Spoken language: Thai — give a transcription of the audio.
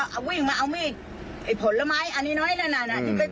เอาวิ่งมาเอามีดไอ้ผลไม้อันนี้น้อยนั่นน่ะ